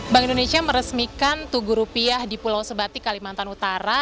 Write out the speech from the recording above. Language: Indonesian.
bank indonesia meresmikan tugu rupiah di pulau sebatik kalimantan utara